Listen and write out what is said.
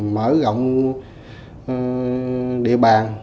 mở rộng địa bàn